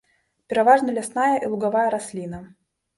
Пераважна лясная і лугавая расліна.